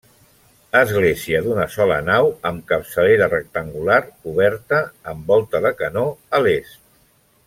Església d'una sola nau amb capçalera rectangular coberta amb volta de canó a l'est.